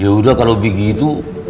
ya udah kalau begitu